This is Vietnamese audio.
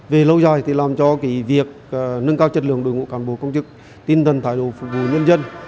về lâu dài làm cho việc nâng cao chất lượng đội ngũ an bộ công chức tin tần thái độ phục vụ nhân dân